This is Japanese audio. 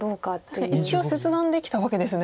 確かに一応切断できたわけですね